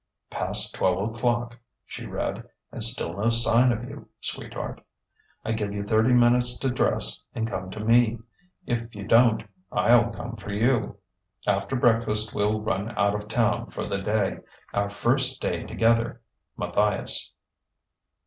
"Past twelve o'clock," she read, "_and still no sign of you, sweetheart. I give you thirty minutes to dress and come to me. If you don't, I'll come for you. After breakfast, we'll run out of town for the day our first day together!_ MATTHIAS."